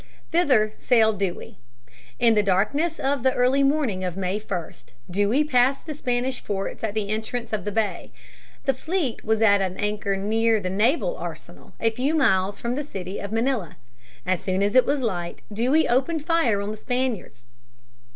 Thither sailed Dewey. In the darkness of the early morning of May 1, Dewey passed the Spanish forts at the entrance of the bay. The fleet was at anchor near the naval arsenal, a few miles from the city of Manila. As soon as it was light Dewey opened fire on the Spaniards.